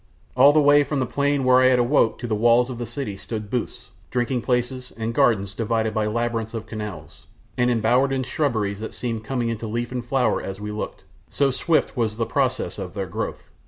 All the way from the plain where I had awoke to the walls of the city stood booths, drinking places, and gardens divided by labyrinths of canals, and embowered in shrubberies that seemed coming into leaf and flower as we looked, so swift was the process of their growth.